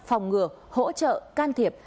phòng ngừa hỗ trợ can thiệp